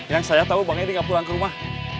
yang saya tahu bang eddy gak pulang ke rumah